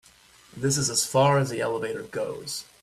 This is as far as the elevator goes.